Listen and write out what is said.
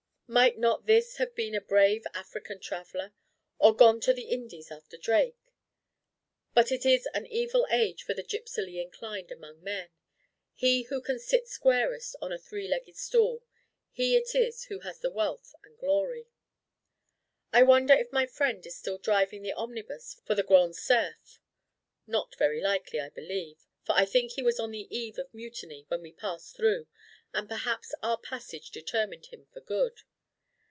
Might not this have been a brave African traveller, or gone to the Indies after Drake? But it is an evil age for the gypsily inclined among men. He who can sit squarest on a three legged stool, he it is who has the wealth and glory. I wonder if my friend is still driving the omnibus for the Grand Cerf? Not very likely, I believe; for I think he was on the eve of mutiny when we passed through, and perhaps our passage determined him for good.